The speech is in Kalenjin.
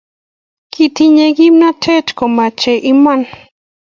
Kitinye kimnatet ko mwach iman